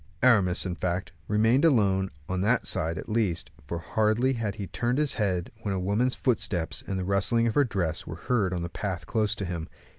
Aramis, in fact, remained alone, on that side at least; for hardly had he turned his head when a woman's footsteps, and the rustling of her dress, were heard in the path close to him.